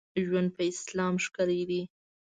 ژوند په اسلام ښکلی دی.